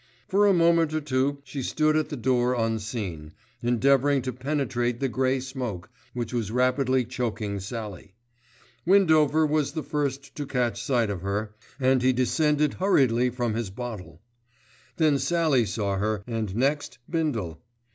For a moment or two she stood at the door unseen, endeavouring to penetrate the grey smoke, which was rapidly choking Sallie. Windover was the first to catch sight of her, and he descended hurriedly from his bottle. Then Sallie saw her and next Bindle.